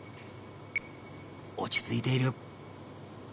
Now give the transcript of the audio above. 落ち着いている。